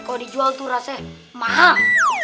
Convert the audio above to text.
kalau dijual tuh rasanya mahal